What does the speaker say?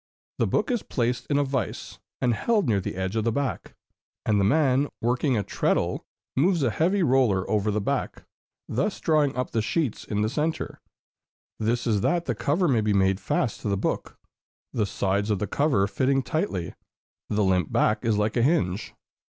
The book is placed in a vise, and held near the edge of the back; and the man, working a treadle, moves a heavy roller over the back, thus drawing up the sheets in the centre; this is that the cover may be made fast to the book, the sides of the cover fitting tightly; the limp back is like a hinge.